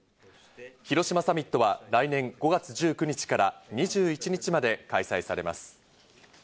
広島サミットは来年５月１９日から２１日まで開催されます。